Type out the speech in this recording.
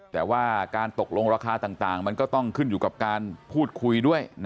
แต่ว่าการตกลงราคาต่างมันก็ต้องขึ้นอยู่กับการพูดคุยด้วย